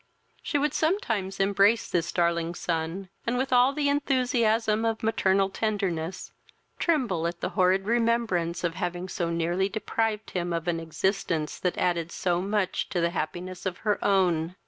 She would sometimes embrace this darling son, and, with all the enthusiasm of maternal tenderness, tremble at the horrid remembrance of having so nearly deprived him of an existence that added so much to the happiness of her own.